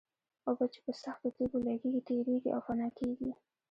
اوبه چې په سختو تېږو لګېږي تېرېږي او فنا کېږي.